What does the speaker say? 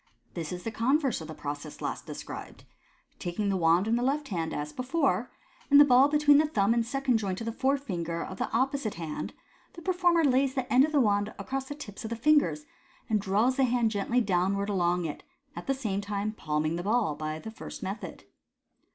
— This is the con verse of the process last de scribed. Taking the wand in the left hand, as before, and the ball between the thumb and second joint of the forefinger of the oppo site hand, the performer lays the end of the wand across the tips of the fingers, and draws the hand gently downwards along it, at the same time palming the ball by the first method.